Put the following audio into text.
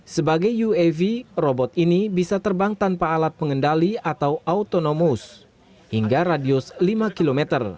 sebagai uav robot ini bisa terbang tanpa alat pengendali atau autonomous hingga radius lima km